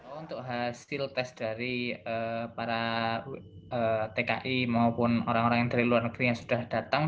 untuk hasil tes dari para tki maupun orang orang yang dari luar negeri yang sudah datang